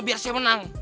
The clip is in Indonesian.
biar saya menang